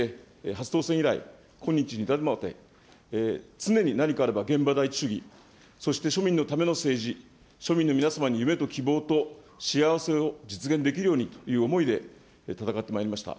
初当選以来、今日に至るまで、常に何かあれば現場第一主義、そして庶民のための政治、庶民の皆様に夢と希望と幸せを実現できるようにという思いで、戦ってまいりました。